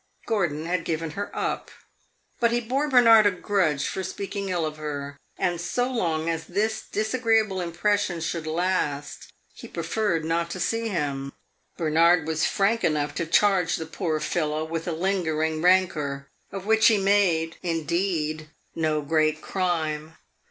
Gordon had given her up; but he bore Bernard a grudge for speaking ill of her, and so long as this disagreeable impression should last, he preferred not to see him. Bernard was frank enough to charge the poor fellow with a lingering rancor, of which he made, indeed, no great crime.